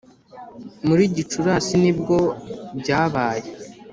muri gicurasi nibwo byabaye